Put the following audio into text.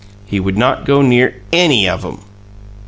He would not go near ANY OF 'EM!